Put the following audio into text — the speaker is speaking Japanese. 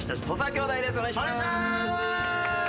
お願いします。